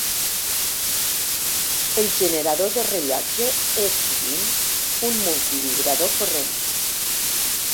El generador de rellotge és sovint un multivibrador corrent.